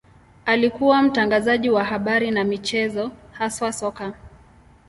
Alikuwa mtangazaji wa habari na michezo, haswa soka.